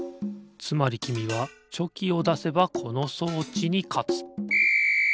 つまりきみはチョキをだせばこの装置にかつピッ！